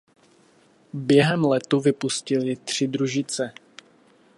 Během letu vypustili tři družice.